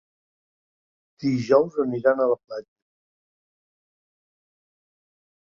Dijous aniran a la platja.